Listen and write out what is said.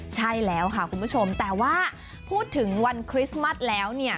ใช่แล้วค่ะคุณผู้ชมแต่ว่าพูดถึงวันคริสต์มัสแล้วเนี่ย